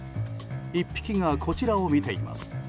１匹がこちらを見ています。